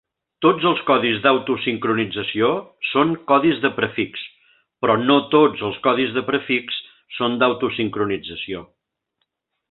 Tots els codis d'autosincronització són codis de prefix, però no tots els codis de prefix són d'autosincronització.